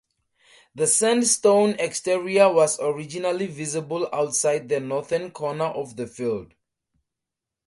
The sandstone exterior was originally visible outside the northern corner of the field.